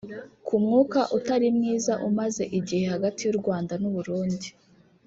Ku mwuka utari mwiza umaze igihe hagati y’u Rwanda n’u Burundi